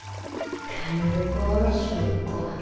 権力争いか。